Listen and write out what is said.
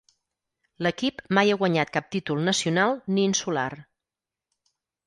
L'equip mai ha guanyat cap títol nacional ni insular.